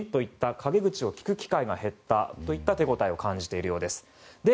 陰口を聞く機会が減ったという手応えを感じているようです。